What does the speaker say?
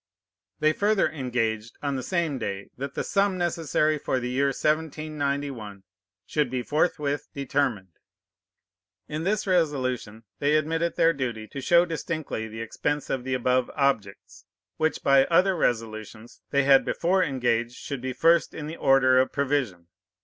"_ They further engaged, on the same day, that the sum necessary for the year 1791 should be forthwith determined. In this resolution they admit it their duty to show distinctly the expense of the above objects, which, by other resolutions, they had before engaged should be first in the order of provision.